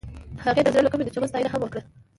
هغې د زړه له کومې د چمن ستاینه هم وکړه.